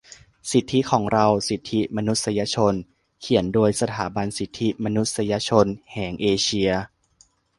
สิทธิของเรา สิทธิมนุษยชน เขียนโดยสถาบันสิทธิมนุษยชนแหงเอเชีย